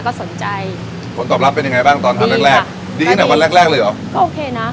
คิดว่าเอ๊ย